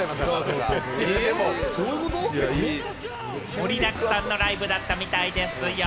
盛りだくさんのライブだったみたいですよ。